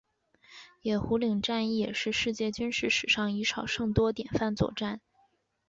野狐岭战役也是世界军事史上以少胜多典范作战。